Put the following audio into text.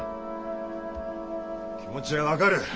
気持ちは分かる。